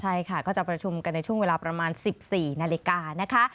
ใช่ค่ะก็จะประชุมกันในช่วงเวลาประมาณ๑๔นาฬิกานะคะ